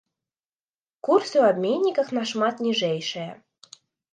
Курсы ў абменніках нашмат ніжэйшыя.